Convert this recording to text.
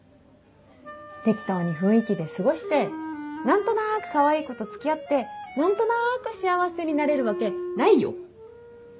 適当に雰囲気で過ごして何となくかわいい子と付き合って何となく幸せになれるわけないよ。